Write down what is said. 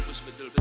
sosial bagi suraya